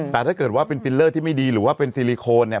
แต่ถ้าเกิดว่าเป็นฟิลเลอร์ที่ไม่ดีหรือว่าเป็นซีลิโคนเนี่ย